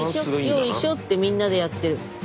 よいしょよいしょってみんなでやってる。